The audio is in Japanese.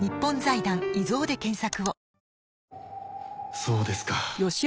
そうですか。